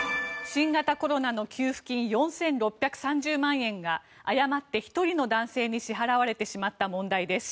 新型コロナの給付金４６３０万円が誤って１人の男性に支払われてしまった問題です。